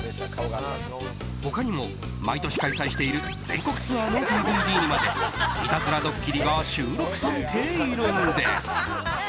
他にも毎年開催している全国ツアーのＤＶＤにまでいたずらドッキリが収録されているんです。